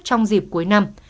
trong dịp cuối năm